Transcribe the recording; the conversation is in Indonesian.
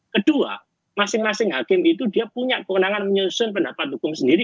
kedua masing masing hakim itu dia punya kewenangan menyusun pendapat hukum sendiri